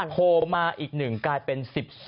โทรมาอีกหนึ่งกลายเป็น๑๒